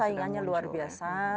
saingannya luar biasa